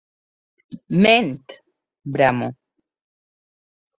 Ment! —bramo.